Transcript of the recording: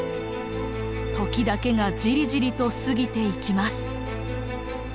時だけがジリジリと過ぎていきます。